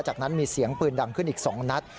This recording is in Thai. จากนั้นมีเสียงปืนดังขึ้นอีก๒นัด